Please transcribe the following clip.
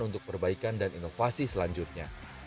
untuk perbaikan dan inovasi selanjutnya